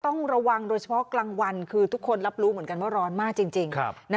ต้องระวังโดยเฉพาะกลางวันคือทุกคนรับรู้เหมือนกันว่าร้อนมากจริง